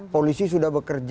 polisi sudah bekerja